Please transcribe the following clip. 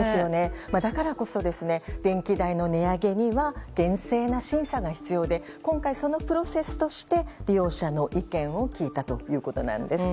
だからこそ電気代の値上げには厳正な審査が必要で今回そのプロセスとして利用者の意見を聞いたということなんです。